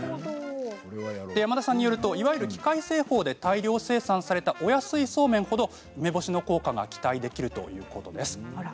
山田さんによるといわゆる機械製法で大量生産されたお安いそうめんほど梅干し効果が期待できるそうです。